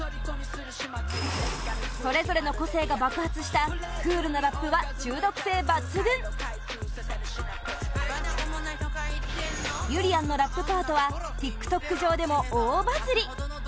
それぞれの個性が爆発したクールなラップは中毒性抜群ゆりやんのラップパートはＴｉｋＴｏｋ上でも大バズり！